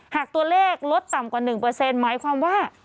หากตัวเลขลดต่ำกว่า๑หมายความว่า